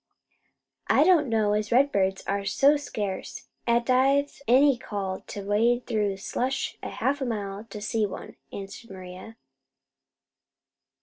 "I don't know as redbirds are so scarce 'at I've any call to wade through slush a half mile to see one," answered Maria.